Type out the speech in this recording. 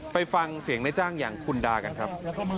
ไปฟังเสียงในจ้างอย่างคุณดากันครับ